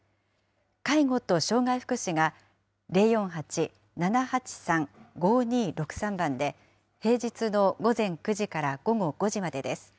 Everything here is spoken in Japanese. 介護と障害福祉が０４８ー７８３ー５２６３番で、平日の午前９時から午後５時までです。